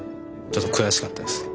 ちょっと悔しかったです。